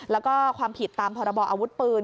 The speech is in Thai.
แล้วก็ความผิดตามพรบออาวุธปืน